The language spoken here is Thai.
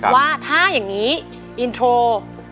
ว่าถ้าอย่างนี้อินโทร